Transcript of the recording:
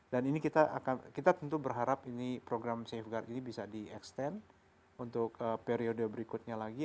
dan ini kita akan kita tentu berharap ini program safeguard ini bisa di extend untuk periode berikutnya lagi